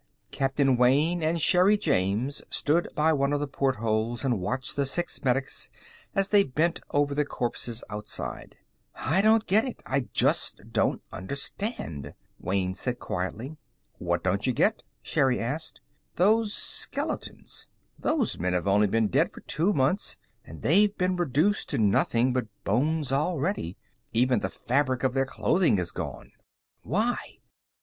Captain Wayne and Sherri James stood by one of the portholes and watched the six medics as they bent over the corpses outside. "I don't get it, I just don't understand," Wayne said quietly. "What don't you get?" Sherri asked. "Those skeletons. Those men have only been dead for two months, and they've been reduced to nothing but bones already. Even the fabric of their clothing is gone. Why?